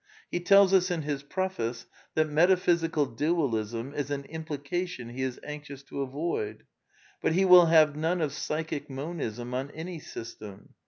He tells us in his Preface that metaphysical Dualism is an " implica tion " he is " anxious to avoid.'' But he will have none of Psychic Monism on any system.